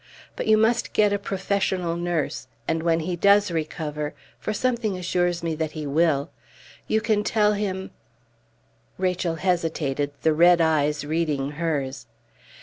But you must get a professional nurse. And when he does recover for something assures me that he will you can tell him " Rachel hesitated, the red eyes reading hers.